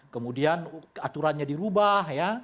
kemudian aturannya dirubah ya